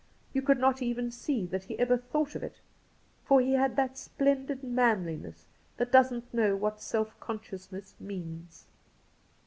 You could not even see that he ever thought of it, for he had that splendid manliness that doesn't know what self consciousness means.